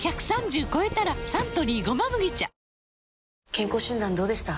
健康診断どうでした？